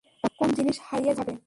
কোন জিনিস হারিয়ে যায় কীভাবে!